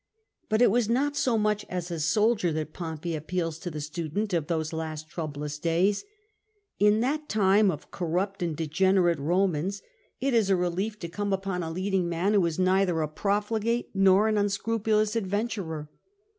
But it was not so much as a soldier that Pompey appeals to the student of those last troublous days. In that time of corrupt and degenerate JRomans it is a relief to come upon a leading man who was neither a profligate nor an unscrupulous adventurer.